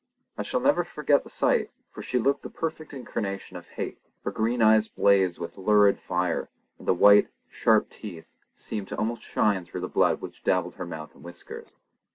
I shall never forget the sight, for she looked the perfect incarnation of hate. Her green eyes blazed with lurid fire, and the white, sharp teeth seemed to almost shine through the blood which dabbled her mouth and whiskers.